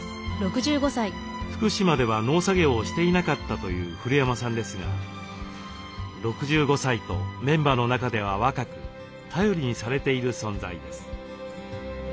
福島では農作業をしていなかったという古山さんですが６５歳とメンバーの中では若く頼りにされている存在です。